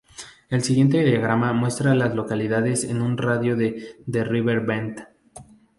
El siguiente diagrama muestra a las localidades en un radio de de River Bend.